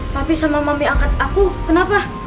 tapi sama mambi angkat aku kenapa